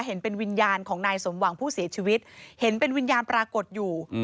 เห็นเป็นวิญญาณของนายสมหวังผู้เสียชีวิตเห็นเป็นวิญญาณปรากฏอยู่